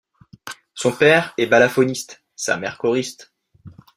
Son père est balafoniste, sa mère choriste.